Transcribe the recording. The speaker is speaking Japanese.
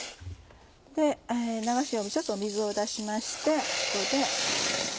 ちょっと水を出しましてここで。